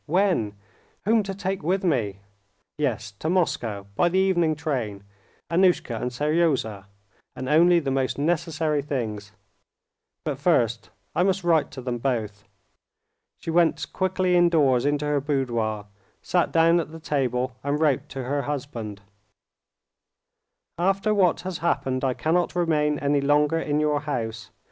When? Whom to take with me? Yes, to Moscow by the evening train. Annushka and Seryozha, and only the most necessary things. But first I must write to them both." She went quickly indoors into her boudoir, sat down at the table, and wrote to her husband:—"After what has happened, I cannot remain any longer in your house.